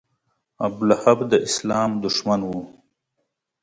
ابولهب د اسلام دښمن و.